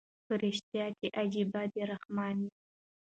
په ریشتیا چي عجایبه د رحمان یې